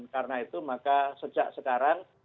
karena itu maka sejak sekarang